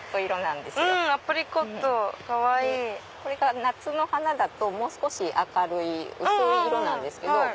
これが夏の花だともう少し明るい薄い色なんです。